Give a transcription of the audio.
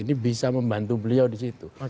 ini bisa membantu beliau disitu